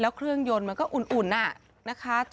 แล้วเครื่องยนต์ก็อุ่นน่ะนะคะ